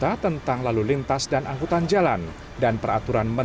hanya satu ini